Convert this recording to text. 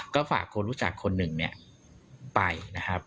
ก็ฝากคนรู้จักคนหนึ่งเนี่ยไปนะครับ